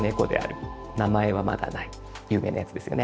有名なやつですよね。